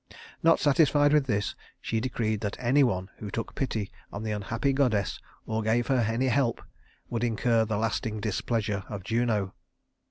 Not satisfied with this, she decreed that any one who took pity on the unhappy goddess, or gave her any help, would incur the lasting displeasure of Juno.